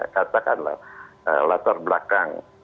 katakanlah latar belakang